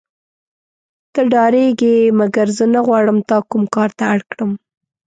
ته ډارېږې مګر زه نه غواړم تا کوم کار ته اړ کړم.